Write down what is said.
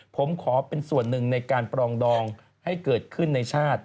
ผมขอเป็นส่วนหนึ่งในการปรองดองให้เกิดขึ้นในชาติ